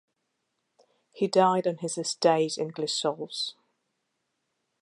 He died on his estate in Glissolles.